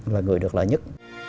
và người được lợi nhất